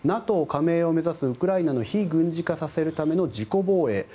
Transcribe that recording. ＮＡＴＯ加盟を目指すウクライナの非軍事化させるための自己防衛